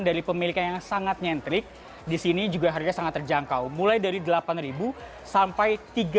dari pemilikan yang sangat nyentrik disini juga harga sangat terjangkau mulai dari delapan sampai